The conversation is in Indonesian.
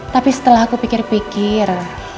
tapi setelah aku pikir pikir